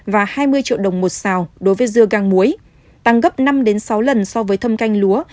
và hai mươi triệu đồng một xào đối với dưa gang muối tăng gấp năm sáu lần so với thâm canh lúa